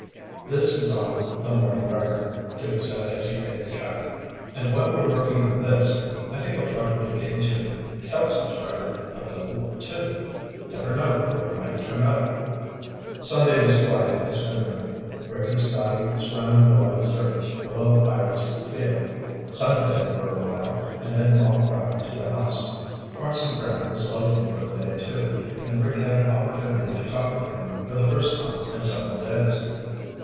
"This is on the Morning Record," Duke said as he paid the check. "And while we're working on this, I think I'll try to dig into Kelso's record a little, too. Never know what might turn up." Sunday was quiet at Spindrift. Rick and Scotty swam in the light surf below Pirate's Field, sun bathed for a while, and then walked back to the house. Hartson Brant was loafing for the day, too, and Rick had an opportunity to talk with him for the first time in several days.